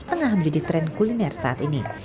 tengah menjadi tren kuliner saat ini